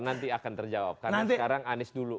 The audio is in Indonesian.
nanti akan terjawab karena sekarang anies dulu